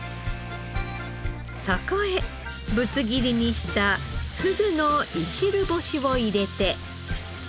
そこへぶつ切りにしたふぐのいしる干しを入れて。